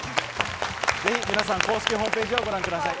ぜひ皆さん公式ホームページをご覧ください。